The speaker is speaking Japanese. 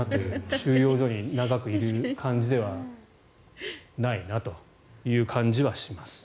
収容所に長くいる感じではないなという感じはします。